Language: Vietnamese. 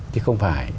thì không phải